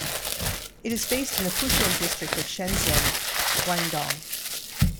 It is based in the Futian district of Shenzhen, Guangdong.